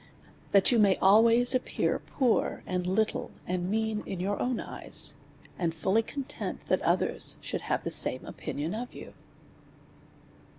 That you may always appear poor, and little, and mean in your own eyes, and fully content that others should have the same opinion of you.